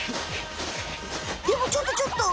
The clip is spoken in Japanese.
でもちょっとちょっと。